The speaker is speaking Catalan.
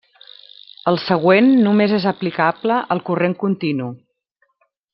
El següent només és aplicable al corrent continu.